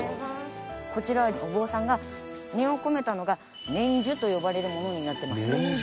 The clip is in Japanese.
こちらお坊さんが念を込めたのが念珠と呼ばれるものになってまして。